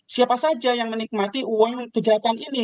siapa saja yang menikmati uang kejahatan ini